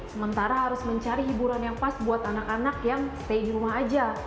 sementara harus mencari hiburan yang pas buat anak anak yang stay di rumah aja